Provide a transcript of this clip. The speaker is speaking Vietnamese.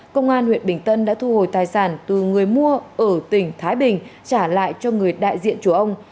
công an huyện bình tân đã thu hồi tài sản từ người mua ở tỉnh thái bình trả lại cho người đại diện chùa ông